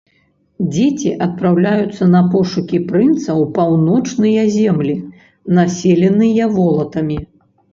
Дзеці адпраўляюцца на пошукі прынца ў паўночныя землі, населеныя волатамі.